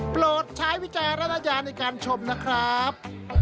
โปรดใช้วิจัยรัฐนาจารย์ในการชมนะครับ